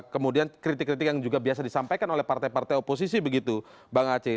kemudian kritik kritik yang juga biasa disampaikan oleh partai partai oposisi begitu bang aceh